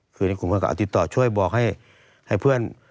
คุณพวกเขาก็ติดตอบช่วยบอกให้ให้เพื่อน